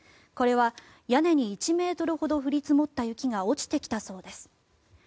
これは、屋根に１ｍほど降り積もった雪が落ちてきたそうです。